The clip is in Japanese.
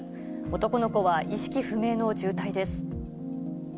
男の子は意識不明の重体です。